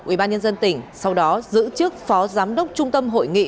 ubnd tỉnh sau đó giữ chức phó giám đốc trung tâm hội nghị